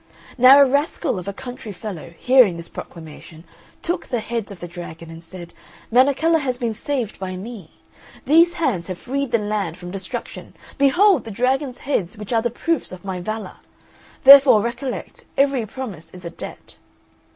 Now a rascal of a country fellow, hearing this proclamation, took the heads of the dragon, and said, "Menechella has been saved by me; these hands have freed the land from destruction; behold the dragon's heads, which are the proofs of my valour; therefore recollect, every promise is a debt."